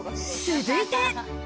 続いて。